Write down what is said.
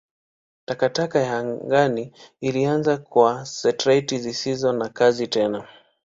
Takataka ya angani ilianza kwa satelaiti zisizo na kazi tena.